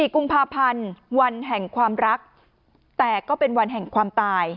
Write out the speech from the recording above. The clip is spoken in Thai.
๔กุมภาพันธ์วันแห่งความรักแต่ก็เป็นวันแห่งความตาย